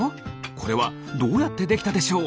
これはどうやってできたでしょう？